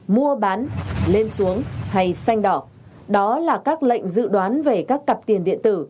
mua bán lên xuống hay xanh đỏ đó là các lệnh dự đoán về các cặp tiền điện tử